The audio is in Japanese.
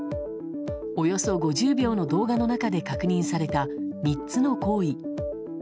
およそ５０秒の動画の中で確認された３つの行為。